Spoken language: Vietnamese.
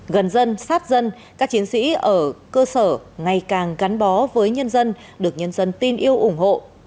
gần dân sát dân các chiến sĩ ở cơ sở ngày càng gắn bó với nhân dân được nhân dân tin yêu ủng hộ